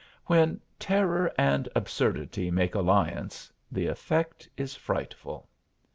When terror and absurdity make alliance, the effect is frightful.